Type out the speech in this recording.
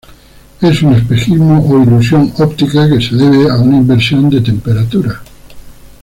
Es un espejismo o ilusión óptica que se debe a una inversión de temperatura.